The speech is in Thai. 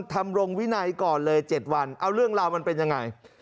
รงวินัยก่อนเลย๗วันเอาเรื่องราวมันเป็นยังไง